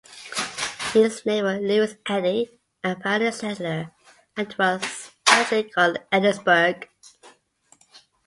It is named for Lewis Eddy, a pioneer settler, and was originally called "Eddysburg".